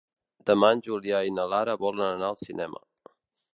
Demà en Julià i na Lara volen anar al cinema.